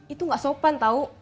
itu nggak sopan tau